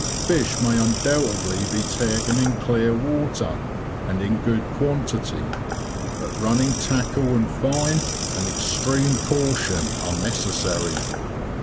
Fish may undoubtedly be taken in clear water and in good quantity, but running tackle and fine, and extreme caution are necessary.